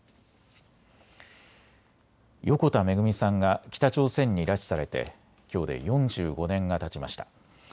横田めぐみさんが北朝鮮に拉致されてきょうで４５年がたちました。